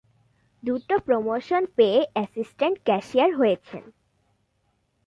দুটো প্রমোশন পেয়ে assistant cashier হয়েছেন।